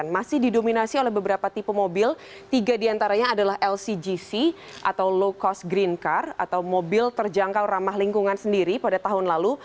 masih didominasi oleh beberapa tipe mobil tiga diantaranya adalah lcgc atau low cost green car atau mobil terjangkau ramah lingkungan sendiri pada tahun lalu